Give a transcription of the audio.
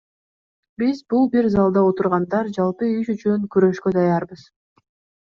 Биз, бул бир залда отургандар жалпы иш үчүн күрөшкө даярбыз.